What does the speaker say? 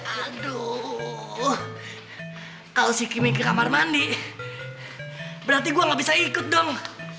aduh kalo si kimi ke kamar mandi berarti gue gak bisa ikut dong